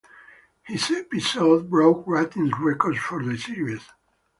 His episode broke ratings records for the series.